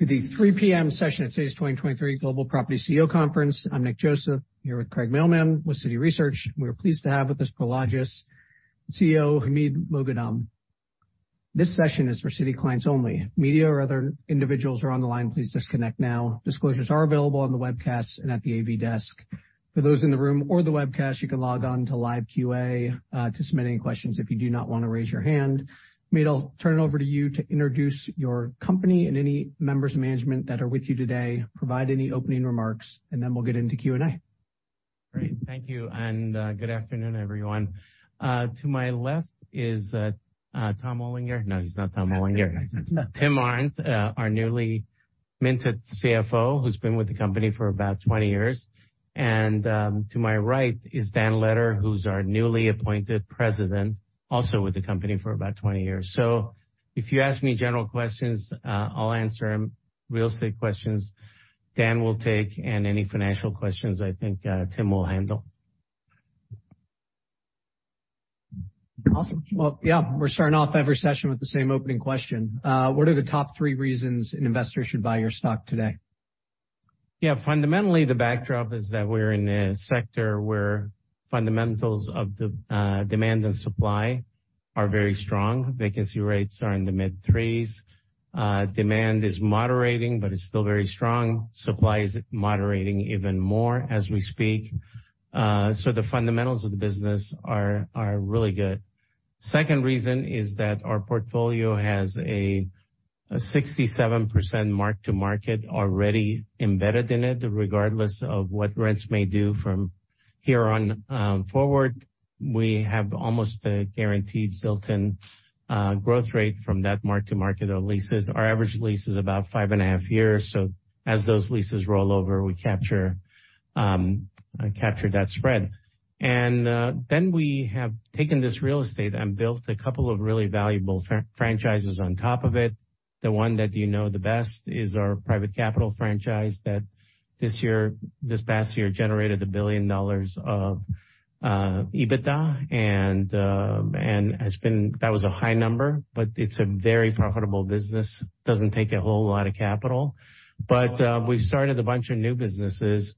To the 3:00 P.M. session at today's 2023 Global Property CEO Conference. I'm Nick Joseph, here with Craig Mailman with Citi Research. We are pleased to have with us Prologis CEO, Hamid Moghadam. This session is for Citi clients only. Media or other individuals who are on the line, please disconnect now. Disclosures are available on the webcast and at the AV desk. For those in the room or the webcast, you can log on to live QA, to submit any questions if you do not wanna raise your hand. Hamid, I'll turn it over to you to introduce your company and any members of management that are with you today, provide any opening remarks, and then we'll get into Q&A. Great. Thank you, and good afternoon, everyone. To my left is Tom Olinger. No, he's not Tom Olinger. Tim Arndt, our newly minted CFO, who's been with the company for about 20 years. To my right is Dan Letter, who's our newly appointed President, also with the company for about 20 years. If you ask me general questions, I'll answer 'em. Real estate questions, Dan will take, and any financial questions, I think, Tim will handle. Awesome. Well, yeah, we're starting off every session with the same opening question. What are the top three reasons an investor should buy your stock today? Yeah. Fundamentally, the backdrop is that we're in a sector where fundamentals of the demand and supply are very strong. Vacancy rates are in the mid 3s. Demand is moderating, but it's still very strong. Supply is moderating even more as we speak. The fundamentals of the business are really good. Second reason is that our portfolio has a 67% mark-to-market already embedded in it, regardless of what rents may do from here on forward. We have almost a guaranteed built-in growth rate from that mark-to-market of leases. Our average lease is about five and a half years. As those leases roll over, we capture that spread. We have taken this real estate and built a couple of really valuable franchises on top of it. The one that you know the best is our private capital franchise that this past year generated $1 billion of EBITDA, and has been... That was a high number, but it's a very profitable business. Doesn't take a whole lot of capital. We've started a bunch of new businesses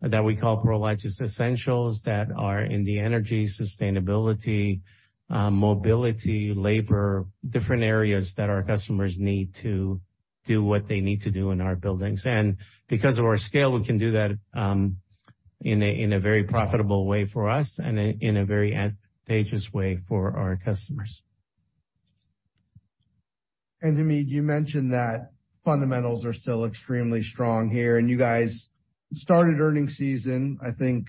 that we call Prologis Essentials that are in the energy, sustainability, mobility, labor, different areas that our customers need to do what they need to do in our buildings. Because of our scale, we can do that in a very profitable way for us and in a very advantageous way for our customers. To me, you mentioned that fundamentals are still extremely strong here, you guys started earning season, I think,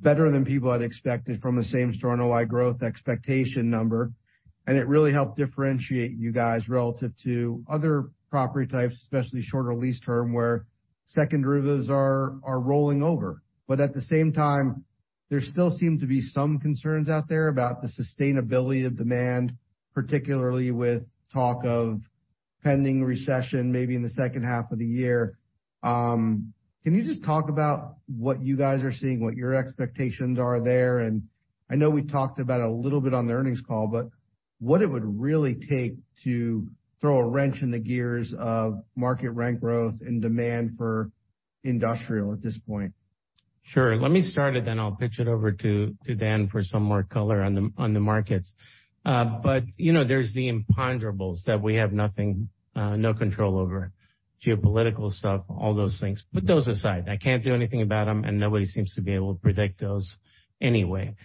better than people had expected from the Same-Store NOI Growth expectation number. It really helped differentiate you guys relative to other property types, especially shorter lease term, where second derivatives are rolling over. At the same time, there still seem to be some concerns out there about the sustainability of demand, particularly with talk of pending recession maybe in the second half of the year. Can you just talk about what you guys are seeing, what your expectations are there? I know we talked about a little bit on the earnings call, but what it would really take to throw a wrench in the gears of market rent growth and demand for industrial at this point. Sure. Let me start it then I'll pitch it over to Dan for some more color on the, on the markets. You know, there's the imponderables that we have nothing, no control over, geopolitical stuff, all those things. Put those aside. I can't do anything about them, and nobody seems to be able to predict those anyway.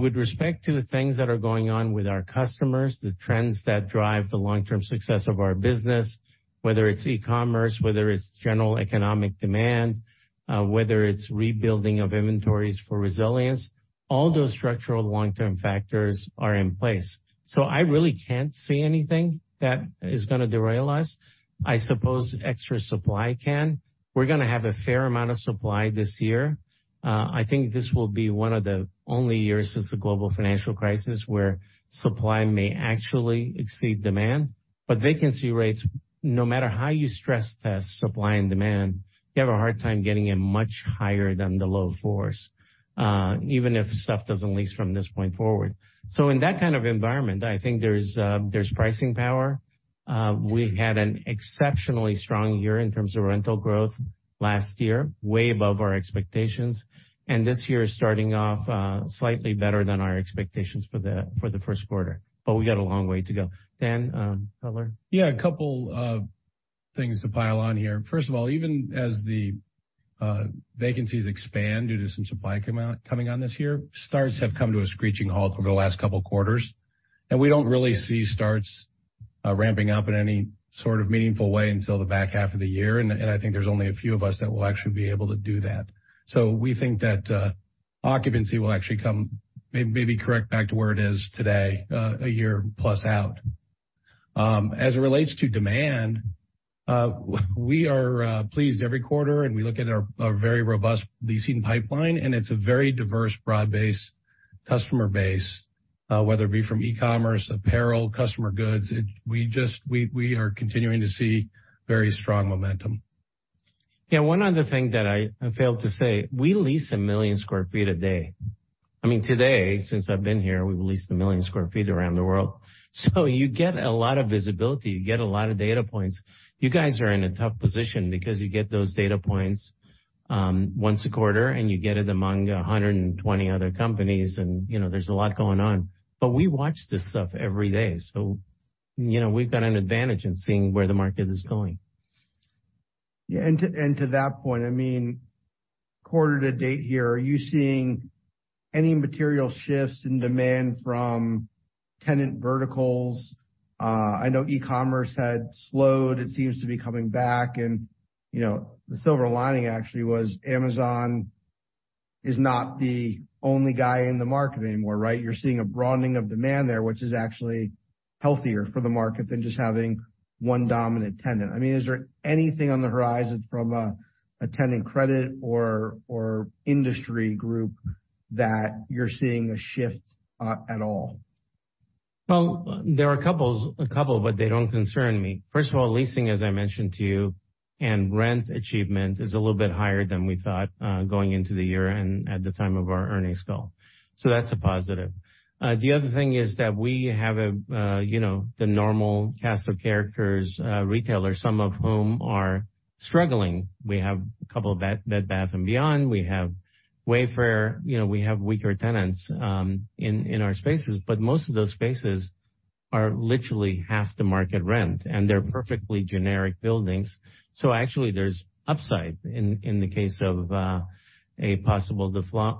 With respect to the things that are going on with our customers, the trends that drive the long-term success of our business, whether it's e-commerce, whether it's general economic demand, whether it's rebuilding of inventories for resilience, all those structural long-term factors are in place. I really can't see anything that is gonna derail us. I suppose extra supply can. We're gonna have a fair amount of supply this year. I think this will be one of the only years since the global financial crisis where supply may actually exceed demand. Vacancy rates, no matter how you stress test supply and demand, you have a hard time getting it much higher than the low fours, even if stuff doesn't lease from this point forward. In that kind of environment, I think there's pricing power. We had an exceptionally strong year in terms of rental growth last year, way above our expectations, and this year is starting off slightly better than our expectations for the first quarter, but we got a long way to go. Dan, color. Yeah, 2 things to pile on here. First of all, even as the vacancies expand due to some supply coming on this year, starts have come to a screeching halt over the last 2 quarters, we don't really see starts ramping up in any sort of meaningful way until the back half of the year, and I think there's only a few of us that will actually be able to do that. We think that occupancy will actually come, maybe correct back to where it is today, 1 year plus out. As it relates to demand, we are pleased every quarter, and we look at our very robust leasing pipeline, and it's a very diverse, broad-based customer base, whether it be from e-commerce, apparel, customer goods. We are continuing to see very strong momentum. Yeah. One other thing that I failed to say, we lease 1 million sq ft a day. I mean, today, since I've been here, we've leased 1 million sq ft around the world. You get a lot of visibility, you get a lot of data points. You guys are in a tough position because you get those data points, once a quarter, and you get it among 120 other companies and, you know, there's a lot going on. We watch this stuff every day, you know, we've got an advantage in seeing where the market is going. Yeah. To that point, I mean, quarter to date here, are you seeing any material shifts in demand from tenant verticals? I know e-commerce had slowed. It seems to be coming back. You know, the silver lining actually was Amazon is not the only guy in the market anymore, right? You're seeing a broadening of demand there, which is actually healthier for the market than just having one dominant tenant. I mean, is there anything on the horizon from a tenant credit or industry group that you're seeing a shift at all? Well, there are a couple, but they don't concern me. First of all, leasing, as I mentioned to you, and rent achievement is a little bit higher than we thought, going into the year and at the time of our earnings call. That's a positive. The other thing is that we have a, you know, the normal cast of characters, retailers, some of whom are struggling. We have a couple of Bed Bath & Beyond. We have Wayfair. You know, we have weaker tenants, in our spaces, but most of those spaces are literally half the market rent, and they're perfectly generic buildings. Actually there's upside in the case of a possible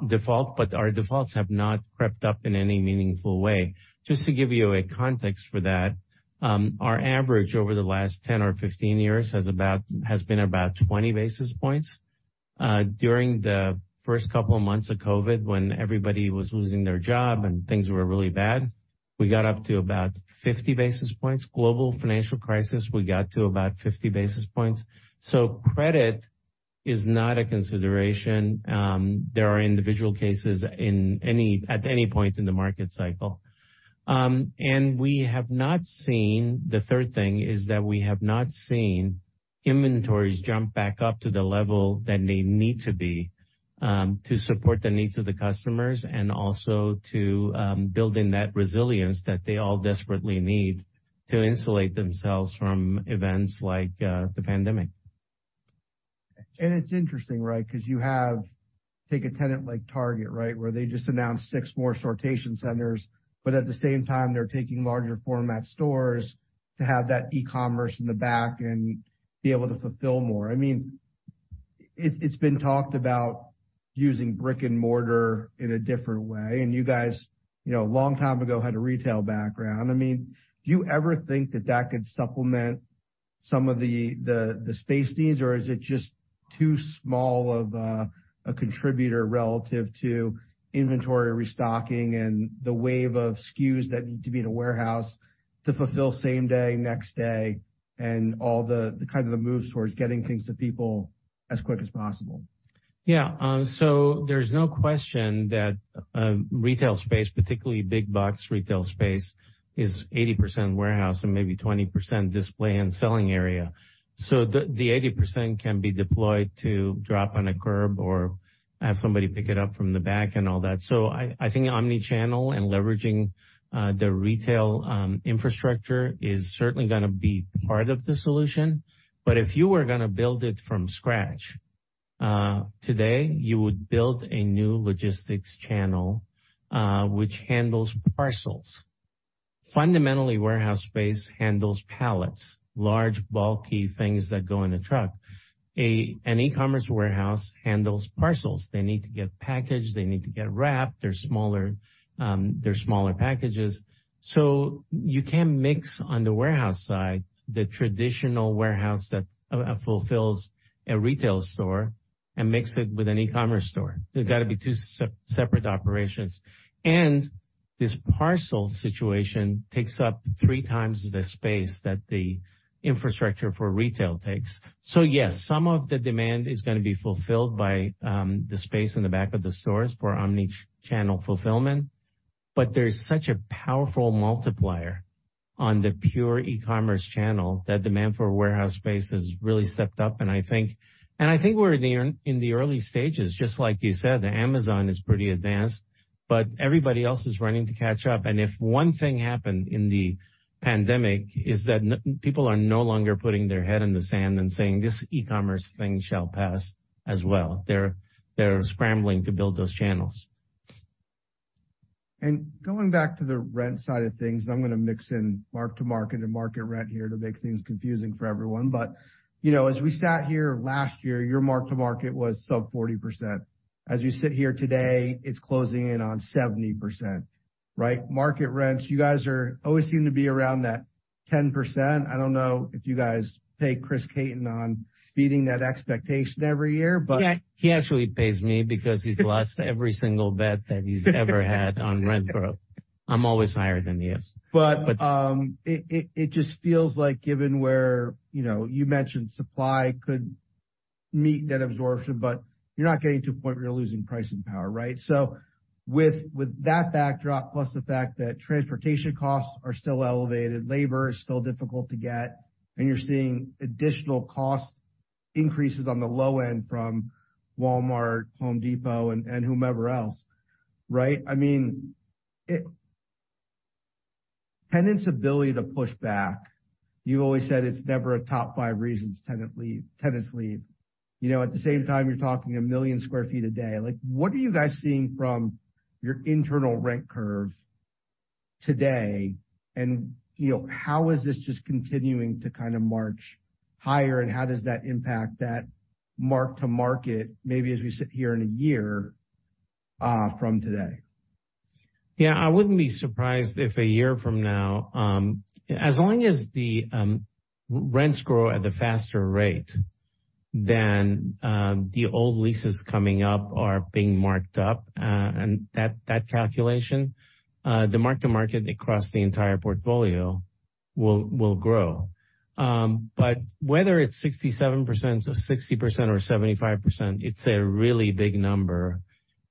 default, but our defaults have not crept up in any meaningful way. Just to give you a context for that, our average over the last 10 or 15 years has been about 20 basis points. During the first couple of months of COVID, when everybody was losing their job and things were really bad, we got up to about 50 basis points. Global financial crisis, we got to about 50 basis points. Credit is not a consideration. There are individual cases at any point in the market cycle. The third thing is that we have not seen inventories jump back up to the level that they need to be, to support the needs of the customers and also to build in that resilience that they all desperately need to insulate themselves from events like the pandemic. It's interesting, right? 'Cause you have, take a tenant like Target, right? Where they just announced 6 more sortation centers, but at the same time, they're taking larger format stores to have that e-commerce in the back and be able to fulfill more. I mean, it's been talked about using brick and mortar in a different way. You guys, you know, a long time ago had a retail background. I mean, do you ever think that that could supplement some of the space needs, or is it just too small of a contributor relative to inventory restocking and the wave of SKUs that need to be in a warehouse to fulfill same day, next day, and all the kind of the moves towards getting things to people as quick as possible? Yeah. There's no question that retail space, particularly big box retail space, is 80% warehouse and maybe 20% display and selling area. The, the 80% can be deployed to drop on a curb or have somebody pick it up from the back and all that. I think omnichannel and leveraging the retail infrastructure is certainly gonna be part of the solution. If you were gonna build it from scratch today, you would build a new logistics channel which handles parcels. Fundamentally, warehouse space handles pallets, large, bulky things that go in a truck. An e-commerce warehouse handles parcels. They need to get packaged, they need to get wrapped. They're smaller, they're smaller packages. You can't mix on the warehouse side the traditional warehouse that fulfills a retail store and mix it with an e-commerce store. They've got to be two separate operations. This parcel situation takes up three times the space that the infrastructure for retail takes. Yes, some of the demand is gonna be fulfilled by the space in the back of the stores for omnichannel fulfillment, but there's such a powerful multiplier on the pure e-commerce channel that demand for warehouse space has really stepped up. I think we're in the early stages, just like you said, Amazon is pretty advanced, but everybody else is running to catch up. If one thing happened in the pandemic is that people are no longer putting their head in the sand and saying, "This e-commerce thing shall pass as well." They're scrambling to build those channels. Going back to the rent side of things, I'm gonna mix in mark-to-market and market rent here to make things confusing for everyone. You know, as we sat here last year, your mark-to-market was sub 40%. As we sit here today, it's closing in on 70%, right? Market rents, you guys always seem to be around that 10%. I don't know if you guys pay Chris Caton on beating that expectation every year, but- Yeah. He actually pays me because he's lost every single bet that he's ever had on rent growth. I'm always higher than he is. It just feels like given where, you know, you mentioned supply could meet net absorption, but you're not getting to a point where you're losing pricing power, right? With that backdrop, plus the fact that transportation costs are still elevated, labor is still difficult to get, and you're seeing additional cost increases on the low end from Walmart, Home Depot, and whomever else, right? I mean, Tenants' ability to push back, you always said it's never a top 5 reasons tenants leave. You know, at the same time, you're talking 1 million sq ft a day. Like, what are you guys seeing from your internal rent curve today, and, you know, how is this just continuing to kind of march higher, and how does that impact that mark-to-market, maybe as we sit here in a year from today? I wouldn't be surprised if a year from now, as long as the rents grow at a faster rate than the old leases coming up are being marked up, and that calculation, the mark-to-market across the entire portfolio will grow. But whether it's 67% or 60% or 75%, it's a really big number,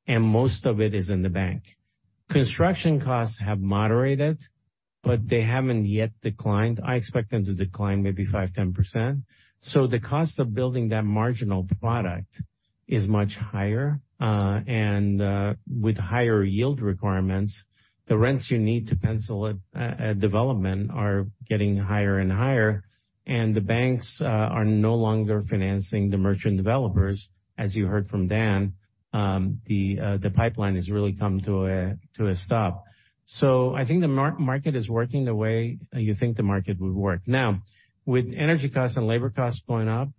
and most of it is in the bank. Construction costs have moderated, but they haven't yet declined. I expect them to decline maybe 5%-10%. The cost of building that marginal product is much higher, and with higher yield requirements, the rents you need to pencil a development are getting higher and higher, and the banks are no longer financing the merchant developers. As you heard from Dan, the pipeline has really come to a stop. I think the market is working the way you think the market would work. Now, with energy costs and labor costs going up,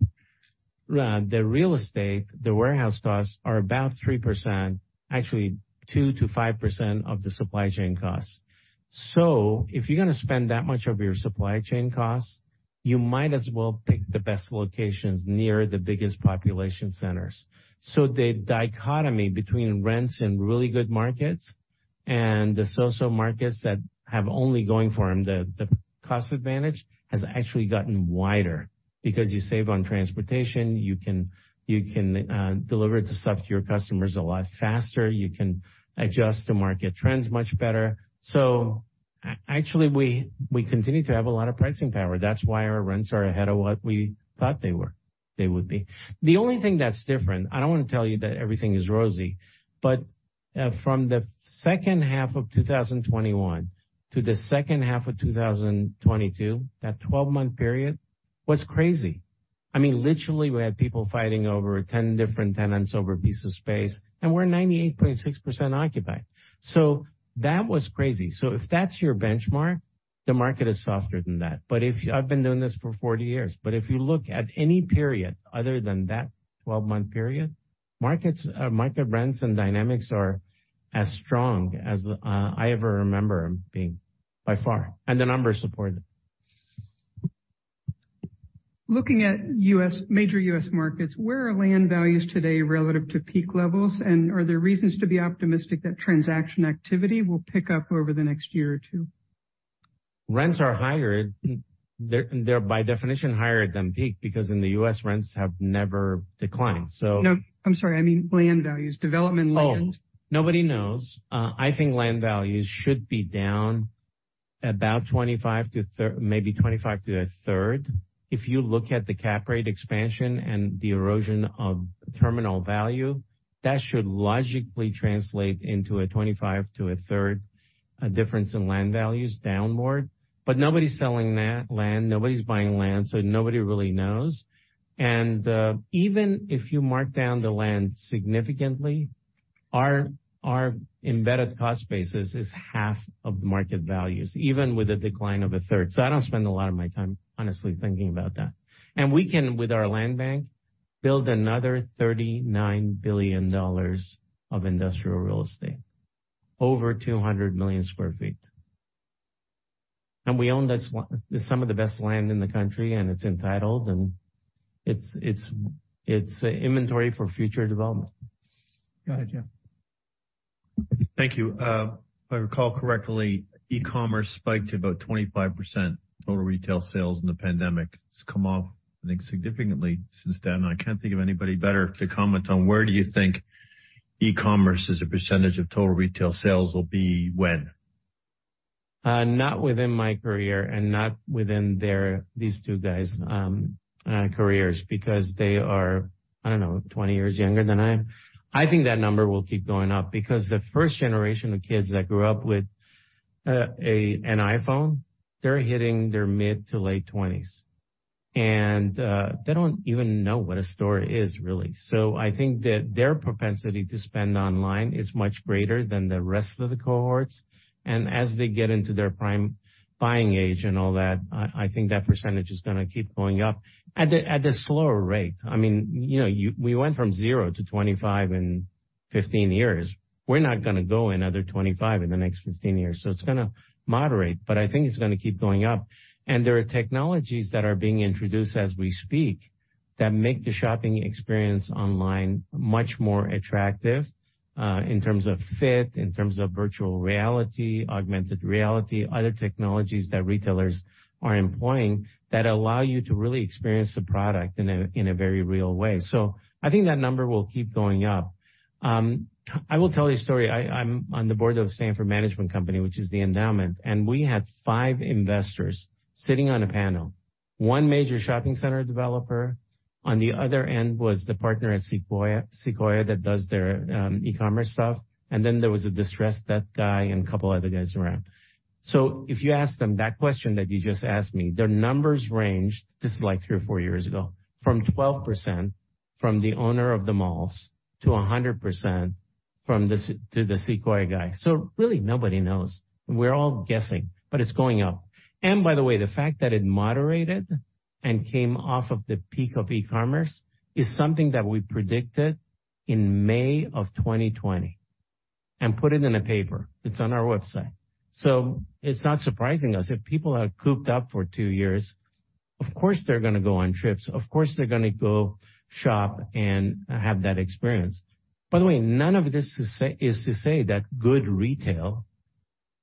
the real estate, the warehouse costs are about 3%, actually 2%-5% of the supply chain costs. If you're gonna spend that much of your supply chain costs, you might as well pick the best locations near the biggest population centers. The dichotomy between rents in really good markets and the so-so markets that have only going for them the cost advantage, has actually gotten wider because you save on transportation, you can, you can deliver the stuff to your customers a lot faster, you can adjust to market trends much better. Actually, we continue to have a lot of pricing power. That's why our rents are ahead of what we thought they would be. The only thing that's different, I don't wanna tell you that everything is rosy, but, from the second half of 2021 to the second half of 2022, that 12-month period was crazy. I mean, literally, we had people fighting over 10 different tenants over a piece of space, and we're 98.6% occupied. That was crazy. If that's your benchmark, the market is softer than that. If you... I've been doing this for 40 years. If you look at any period other than that 12-month period, markets, market rents and dynamics are as strong as I ever remember them being, by far, and the numbers support it. Looking at U.S., major U.S. markets, where are land values today relative to peak levels? Are there reasons to be optimistic that transaction activity will pick up over the next year or 2? Rents are higher. They're by definition higher than peak because in the US, rents have never declined. No. I'm sorry. I mean land values, development land. Nobody knows. I think land values should be down about 25 to a third. If you look at the cap rate expansion and the erosion of terminal value, that should logically translate into a 25 to a third difference in land values downward. Nobody's selling that land, nobody's buying land, nobody really knows. Even if you mark down the land significantly, our embedded cost basis is half of the market values, even with a decline of a third. I don't spend a lot of my time, honestly, thinking about that. We can, with our land bank, build another $39 billion of industrial real estate, over 200 million sq ft. We own this, some of the best land in the country, and it's entitled, and it's inventory for future development. Got it. Yeah. Thank you. If I recall correctly, e-commerce spiked to about 25% total retail sales in the pandemic. It's come off, I think, significantly since then. I can't think of anybody better to comment on where do you think e-commerce as a percentage of total retail sales will be when? Not within my career and not within their, these two guys', careers because they are, I don't know, 20 years younger than I am. I think that number will keep going up because the first generation of kids that grew up with an iPhone, they're hitting their mid to late 20s. They don't even know what a store is, really. I think that their propensity to spend online is much greater than the rest of the cohorts. As they get into their prime buying age and all that, I think that percentage is gonna keep going up at a, at a slower rate. I mean, you know, we went from 0 to 25 in 15 years. We're not gonna go another 25 in the next 15 years. It's gonna moderate, but I think it's gonna keep going up. There are technologies that are being introduced as we speak that make the shopping experience online much more attractive, in terms of fit, in terms of virtual reality, augmented reality, other technologies that retailers are employing that allow you to really experience the product in a very real way. I think that number will keep going up. I will tell you a story. I'm on the board of Stanford Management Company, which is the endowment, and we had five investors sitting on a panel. One major shopping center developer. On the other end was the partner at Sequoia that does their e-commerce stuff. Then there was a distressed debt guy and a couple other guys around. If you ask them that question that you just asked me, their numbers ranged, this is like 3 or 4 years ago, from 12% from the owner of the malls to 100% from the Sequoia guy. Really, nobody knows. We're all guessing, but it's going up. By the way, the fact that it moderated and came off of the peak of e-commerce is something that we predicted in May 2020 and put it in a paper. It's on our website. It's not surprising us. If people are cooped up for 2 years, of course, they're gonna go on trips, of course they're gonna go shop and have that experience. None of this is to say that good retail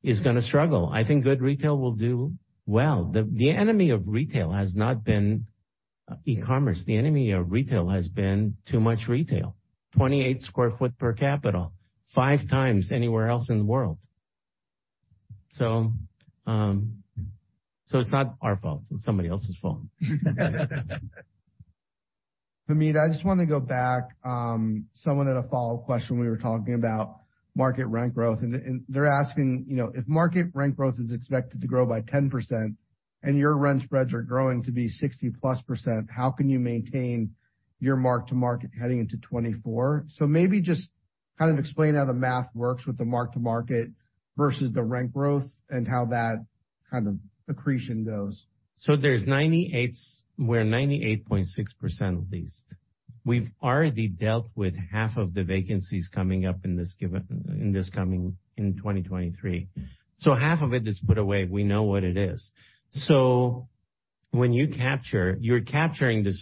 is gonna struggle. I think good retail will do well. The enemy of retail has not been e-commerce. The enemy of retail has been too much retail. 28 sq ft per capital, 5 times anywhere else in the world. So it's not our fault, it's somebody else's fault. Hamid, I just wanna go back. Someone had a follow-up question when we were talking about market rent growth. They're asking, you know, if market rent growth is expected to grow by 10% and your rent spreads are growing to be 60%+, how can you maintain your mark-to-market heading into 2024? Maybe just kind of explain how the math works with the mark-to-market versus the rent growth and how that kind of accretion goes. We're 98.6% leased. We've already dealt with half of the vacancies coming up in 2023. Half of it is put away. We know what it is. When you capture, you're capturing the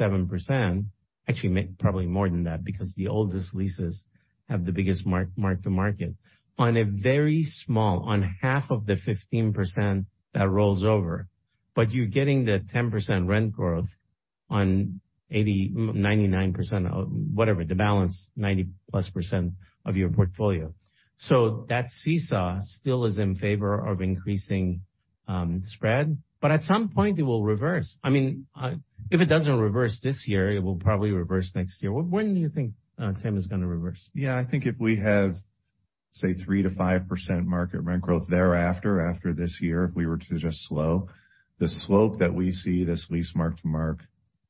67%, actually probably more than that because the oldest leases have the biggest mark to market. On a very small, on half of the 15% that rolls over. You're getting the 10% rent growth on 80%, 99% of whatever the balance, 90%+ of your portfolio. That seesaw still is in favor of increasing spread, but at some point it will reverse. I mean, if it doesn't reverse this year, it will probably reverse next year. When do you think, Tim, it's gonna reverse? Yeah. I think if we have, say, 3%-5% market rent growth thereafter, after this year, if we were to just slow, the slope that we see this lease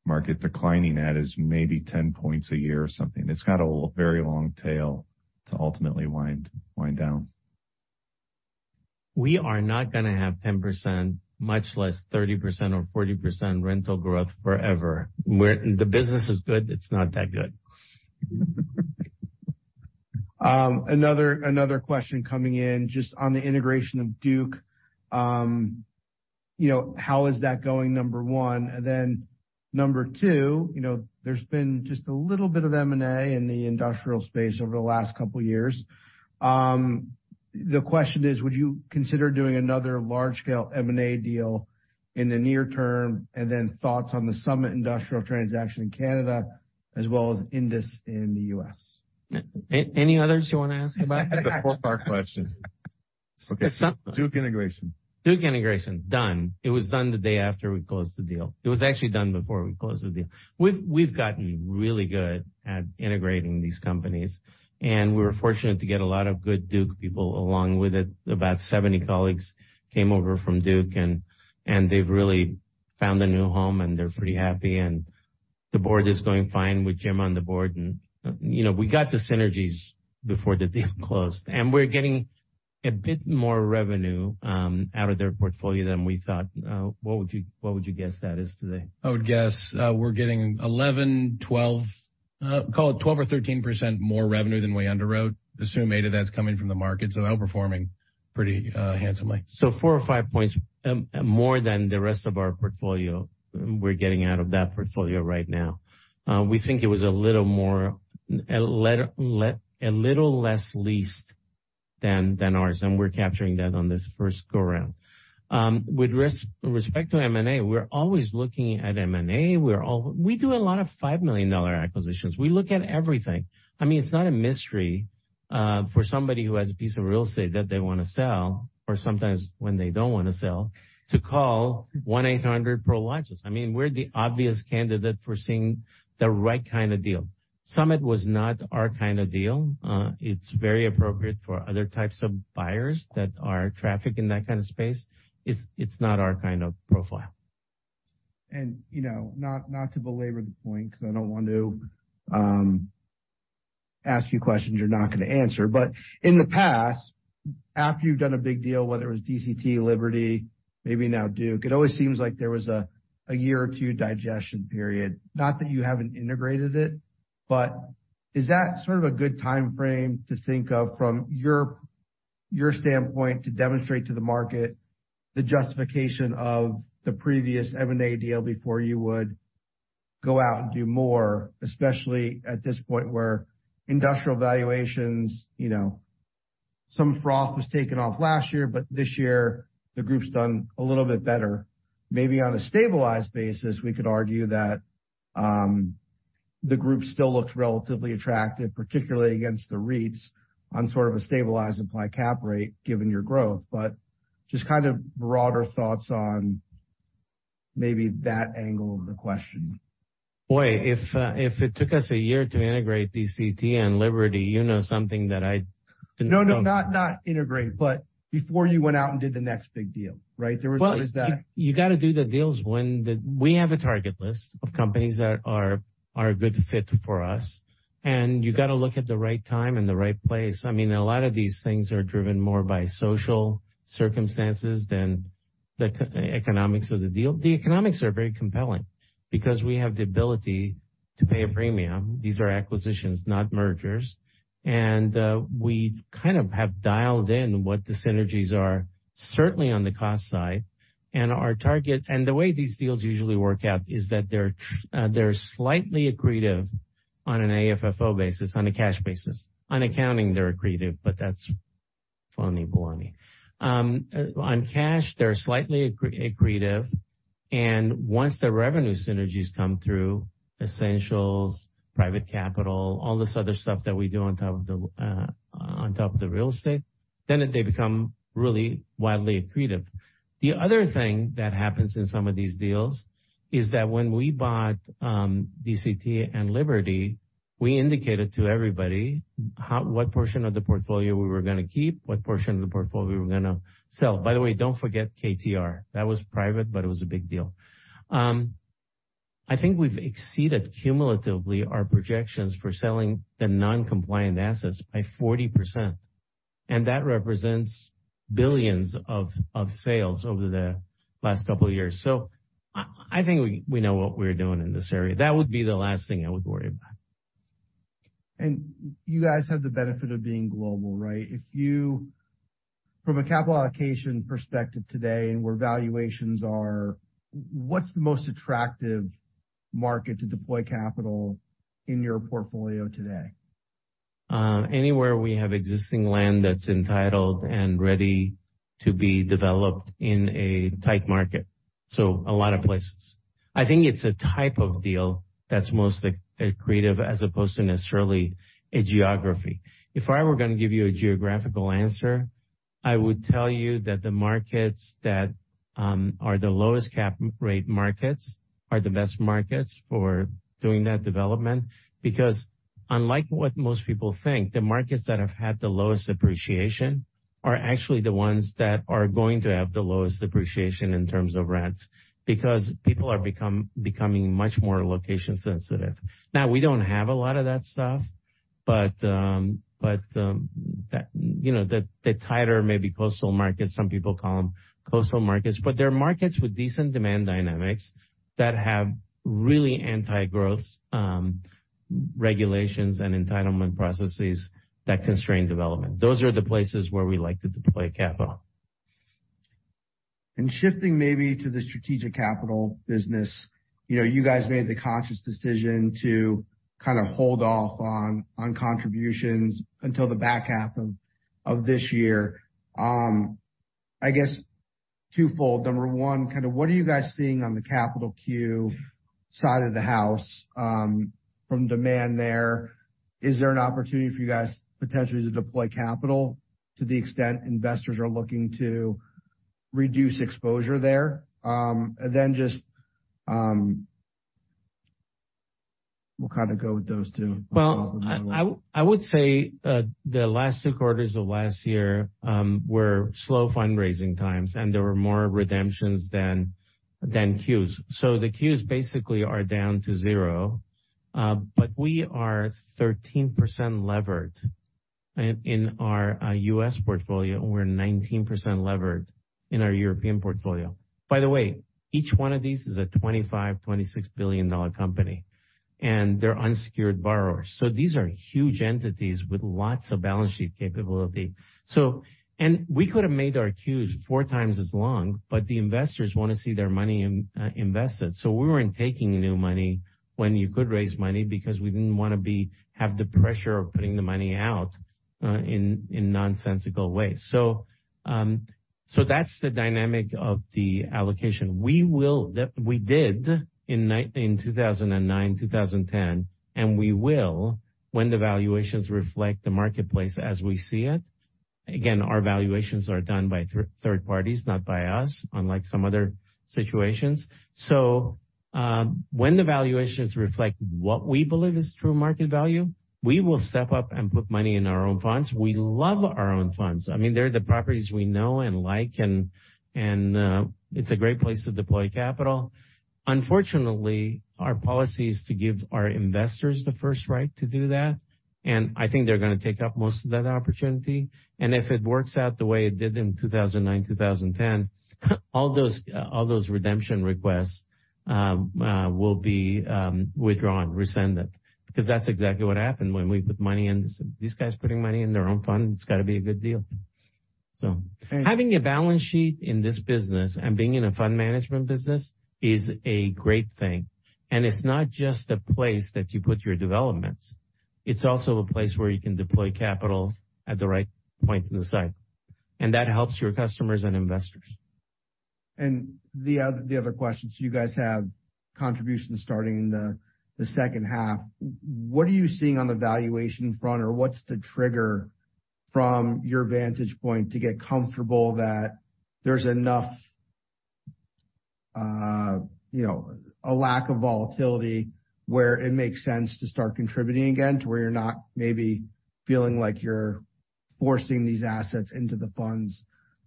mark-to-market declining at is maybe 10 points a year or something. It's got a very long tail to ultimately wind down. We are not gonna have 10%, much less 30% or 40% rental growth forever, the business is good, it's not that good. Another question coming in just on the integration of Duke. You know, how is that going, number 1. Number 2, you know, there's been just a little bit of M&A in the industrial space over the last couple years. The question is, would you consider doing another large-scale M&A deal in the near term? Thoughts on the Summit Industrial transaction in Canada as well as Indus in the U.S. Any others you wanna ask about? It's a four-part question. Okay. Duke integration. Duke integration, done. It was done the day after we closed the deal. It was actually done before we closed the deal. We've gotten really good at integrating these companies, and we were fortunate to get a lot of good Duke people along with it. About 70 colleagues came over from Duke, and they've really found a new home, and they're pretty happy. The board is going fine with Jim on the board. You know, we got the synergies before the deal closed, and we're getting a bit more revenue out of their portfolio than we thought. What would you guess that is today? I would guess, we're getting 11%, 12%, call it 12% or 13% more revenue than we underwrote. Assume ADA that's coming from the market, so outperforming pretty handsomely. Four or five points more than the rest of our portfolio we're getting out of that portfolio right now. We think it was a little more, a little less leased than ours, and we're capturing that on this first go-round. With respect to M&A, we're always looking at M&A. We do a lot of $5 million acquisitions. We look at everything. I mean, it's not a mystery for somebody who has a piece of real estate that they wanna sell or sometimes when they don't wanna sell, to call 1-800-Prologis. I mean, we're the obvious candidate for seeing the right kinda deal. Summit was not our kinda deal. It's very appropriate for other types of buyers that are traffic in that kind of space. It's not our kind of profile. You know, not to belabor the point 'cause I don't want to ask you questions you're not gonna answer. In the past, after you've done a big deal, whether it was DCT, Liberty, maybe now Duke, it always seems like there was a year or two digestion period. Not that you haven't integrated it, but is that sort of a good timeframe to think of from Your standpoint to demonstrate to the market the justification of the previous M&A deal before you would go out and do more, especially at this point where industrial valuations, you know, some froth was taken off last year, but this year the group's done a little bit better. Maybe on a stabilized basis, we could argue that, the group still looks relatively attractive, particularly against the REITs on sort of a stabilized implied cap rate given your growth. Just kind of broader thoughts on maybe that angle of the question. Boy, if it took us a year to integrate DCT and Liberty, you know something that I didn't know. No, not integrate, before you went out and did the next big deal, right? Well, you gotta do the deals when the. We have a target list of companies that are a good fit for us, and you gotta look at the right time and the right place. I mean, a lot of these things are driven more by social circumstances than the e-economics of the deal. The economics are very compelling because we have the ability to pay a premium. These are acquisitions, not mergers. We kind of have dialed in what the synergies are, certainly on the cost side. Our target, and the way these deals usually work out is that they're slightly accretive on an AFFO basis, on a cash basis. On accounting, they're accretive, but that's phony baloney. On cash, they're slightly accretive. Once the revenue synergies come through, essentials, private capital, all this other stuff that we do on top of the real estate, then they become really wildly accretive. The other thing that happens in some of these deals is that when we bought DCT and Liberty, we indicated to everybody how, what portion of the portfolio we were gonna keep, what portion of the portfolio we were gonna sell. By the way, don't forget KTR. That was private, but it was a big deal. I think we've exceeded cumulatively our projections for selling the non-compliant assets by 40%, and that represents $ billions of sales over the last couple of years. I think we know what we're doing in this area. That would be the last thing I would worry about. You guys have the benefit of being global, right? If you, from a capital allocation perspective today and where valuations are, what's the most attractive market to deploy capital in your portfolio today? anywhere we have existing land that's entitled and ready to be developed in a tight market. A lot of places. I think it's a type of deal that's most accretive as opposed to necessarily a geography. If I were gonna give you a geographical answer, I would tell you that the markets that are the lowest cap rate markets are the best markets for doing that development. Unlike what most people think, the markets that have had the lowest appreciation are actually the ones that are going to have the lowest appreciation in terms of rents, because people are becoming much more location sensitive. We don't have a lot of that stuff, but that, you know, the tighter maybe coastal markets, some people call them coastal markets, but they're markets with decent demand dynamics that have really anti-growth regulations and entitlement processes that constrain development. Those are the places where we like to deploy capital. Shifting maybe to the strategic capital business. You know, you guys made the conscious decision to kind of hold off on contributions until the back half of this year. I guess twofold. Number one, kind of what are you guys seeing on the Q side of the house, from demand there? Is there an opportunity for you guys potentially to deploy capital to the extent investors are looking to reduce exposure there? Just. We'll kind of go with those two. Well, I would say, the last 2 quarters of last year were slow fundraising times, there were more redemptions than Qs. The Qs basically are down to zero, we are 13% levered in our U.S. portfolio, and we're 19% levered in our European portfolio. By the way, each one of these is a $25 billion-$26 billion company, they're unsecured borrowers. These are huge entities with lots of balance sheet capability. We could have made our Qs 4 times as long, the investors wanna see their money invested. We weren't taking new money when you could raise money because we didn't wanna have the pressure of putting the money out in nonsensical ways. That's the dynamic of the allocation. We will, that we did in 2009, 2010, and we will when the valuations reflect the marketplace as we see it. Again, our valuations are done by third parties, not by us, unlike some other situations. When the valuations reflect what we believe is true market value, we will step up and put money in our own funds. We love our own funds. I mean, they're the properties we know and like, and it's a great place to deploy capital. Unfortunately, our policy is to give our investors the first right to do that, and I think they're gonna take up most of that opportunity. If it works out the way it did in 2009, 2010, all those redemption requests will be withdrawn, rescinded, because that's exactly what happened when we put money in this. These guys putting money in their own fund, it's gotta be a good deal. Having a balance sheet in this business and being in a fund management business is a great thing. It's not just a place that you put your developments, it's also a place where you can deploy capital at the right point in the cycle, and that helps your customers and investors. The other question. You guys have contributions starting in the second half. What are you seeing on the valuation front, or what's the trigger from your vantage point to get comfortable that there's enough, you know, a lack of volatility where it makes sense to start contributing again to where you're not maybe feeling like you're forcing these assets into the funds?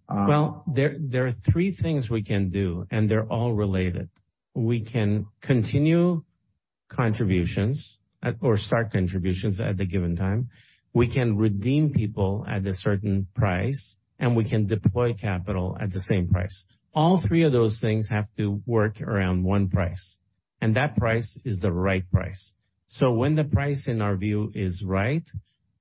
Well, there are three things we can do, and they're all related. We can continue contributions or start contributions at a given time, we can redeem people at a certain price, and we can deploy capital at the same price. All three of those things have to work around one price, and that price is the right price. When the price, in our view, is right,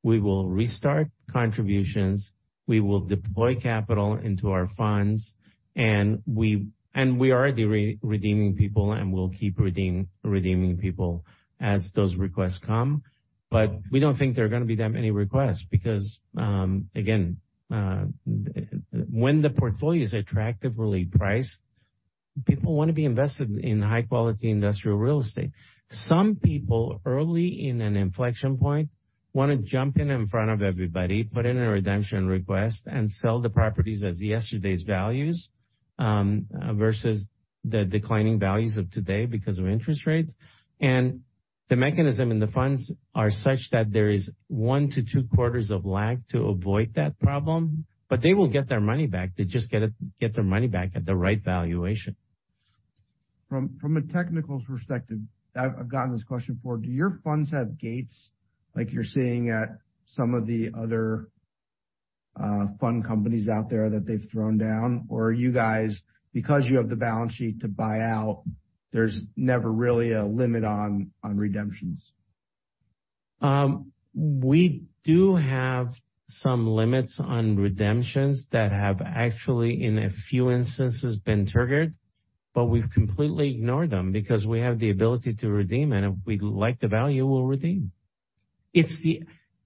we will restart contributions, we will deploy capital into our funds, and we are already redeeming people, and we'll keep redeeming people as those requests come. We don't think there are gonna be that many requests because again, when the portfolio is attractively priced, people wanna be invested in high quality industrial real estate. Some people early in an inflection point, wanna jump in in front of everybody, put in a redemption request, and sell the properties as yesterday's values, versus the declining values of today because of interest rates. The mechanism in the funds are such that there is 1 to 2 quarters of lag to avoid that problem, but they will get their money back. They just get their money back at the right valuation. From a technicals perspective, I've gotten this question before. Do your funds have gates like you're seeing at some of the other fund companies out there that they've thrown down? Are you guys, because you have the balance sheet to buy out, there's never really a limit on redemptions? We do have some limits on redemptions that have actually, in a few instances, been triggered, but we've completely ignored them because we have the ability to redeem, and if we like the value, we'll redeem.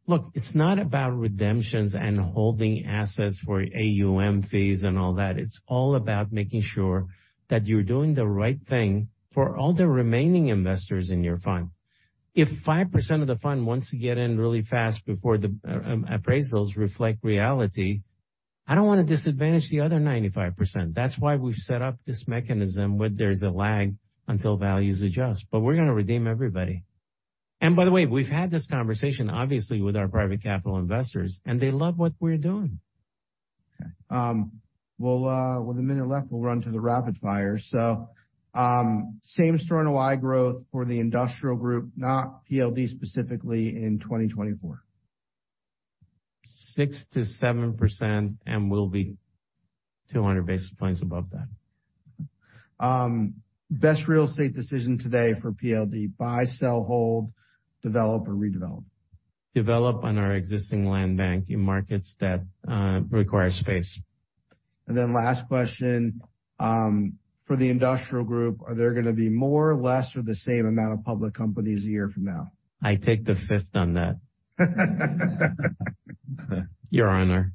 Look, it's not about redemptions and holding assets for AUM fees and all that. It's all about making sure that you're doing the right thing for all the remaining investors in your fund. If 5% of the fund wants to get in really fast before the appraisals reflect reality, I don't wanna disadvantage the other 95%. That's why we've set up this mechanism where there's a lag until values adjust. We're gonna redeem everybody. By the way, we've had this conversation, obviously, with our private capital investors, and they love what we're doing. Okay. We'll with a minute left, we'll run to the rapid fire. Same-Store NOI Growth for the industrial group, not PLD specifically in 2024? 6%-7%, we'll be 200 basis points above that. Best real estate decision today for PLD: buy, sell, hold, develop or redevelop? Develop on our existing land bank in markets that require space. Last question. For the industrial group, are there gonna be more, less or the same amount of public companies a year from now? I take the fifth on that. Your Honor.